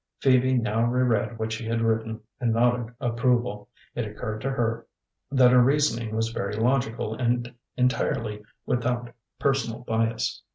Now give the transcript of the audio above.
Phoebe now reread what she had written and nodded approval. It occurred to her that her reasoning was very logical and entirely without personal bias.